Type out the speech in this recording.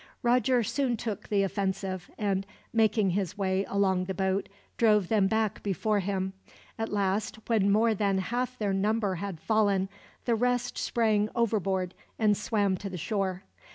Roger soon took the offensive and, making his way along the boat, drove them back before him. At last, when more than half their number had fallen, the rest sprang overboard and swam to the shore.